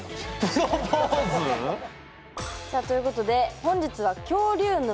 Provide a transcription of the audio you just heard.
プロポーズ⁉さあということで本日は「恐竜沼」。